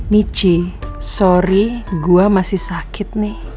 michi sorry gue masih sakit nih